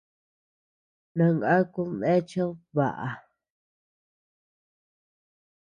Nangakud neachead baʼa.